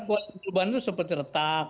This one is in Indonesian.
buat perubahan itu sempat retak